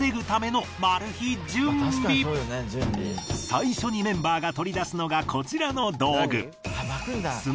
最初にメンバーが取り出すのがこちらの道具。